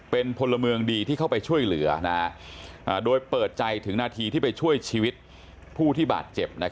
เป็นพลเมืองดีที่เข้าไปช่วยเหลือโดยเปิดใจถึงนาทีที่ไปช่วยชีวิตผู้ที่บาดเจ็บ